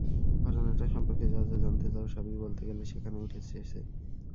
ঘটনাটা সম্পর্কে যা যা জানতে চাও, সবই বলতে গেলে সেখানে উঠে এসেছে।